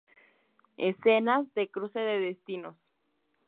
Escenas de "Cruce de destinos"